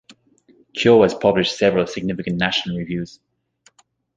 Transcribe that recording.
Keogh has published several significant national reviews.